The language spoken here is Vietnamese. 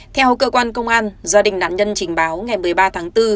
theo cơ quan công an gia đình nạn nhân trình báo ngày một mươi ba tháng bốn